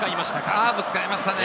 カーブ使いましたね。